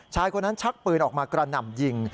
ชายคนนั้นชักปืนออกมากระหน่ำยิง